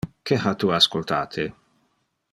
Que ha tu ascoltate?